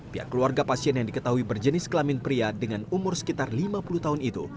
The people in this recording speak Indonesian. pihak keluarga pasien yang diketahui berjenis kelamin pria dengan umur sekitar lima puluh tahun itu